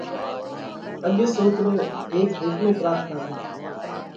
اڳي سوڪرو هيڪ هيڪلو پراٿنا ڪرتو،